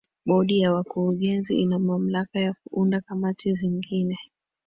bodi ya wakurugenzi ina mamlaka ya kuunda kamati zingine